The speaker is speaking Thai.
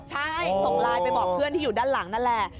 ใช่ส่งไลน์ไปบอกเพื่อนที่อยู่ด้านหลังนั่นแหละ